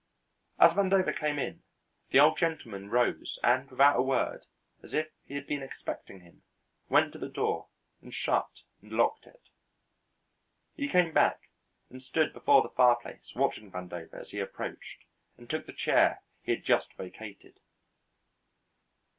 As Vandover came in the Old Gentleman rose and without a word, as if he had been expecting him, went to the door and shut and locked it. He came back and stood before the fireplace watching Vandover as he approached and took the chair he had just vacated.